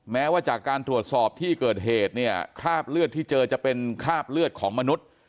แม้ว่าจากการตรวจสอบที่เกิดเหตุเนี่ยคราบเลือดที่เจอจะเป็นคราบเลือดของมนุษย์